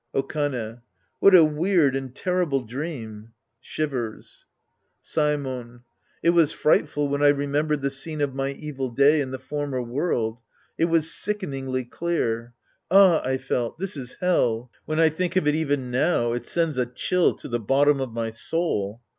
Okane. What a weird and terrible dream ! {Shivers^ Sc. II The Priest and His Disciples 39 Saemon. It was frightful when I remembered the scene of my evil day in the former world. It was sickeningly clear. "Ah," I felt, "this is Hell." When I think of it even now, it sends a cliill to the bottom of my soul.